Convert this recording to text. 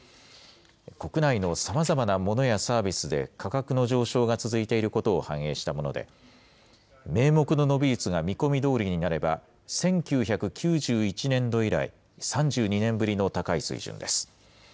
国内のさまざまなモノやサービスで価格の上昇が続いていることを反映したもので、名目の伸び率が見込みどおりになれば１９９１年度以来、３２年ぶりの高い水準です。